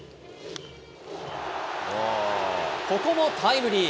ここもタイムリー。